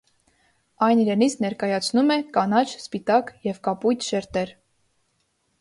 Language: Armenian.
Այն իրենից ներկայացնում է կանաչ, սպիտակ և կապույտ շերտեր։